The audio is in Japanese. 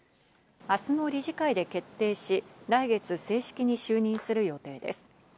明日の理事会で決定し、来月正式に就任する予定です。